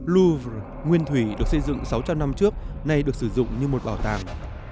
lou nguyên thủy được xây dựng sáu trăm linh năm trước nay được sử dụng như một bảo tàng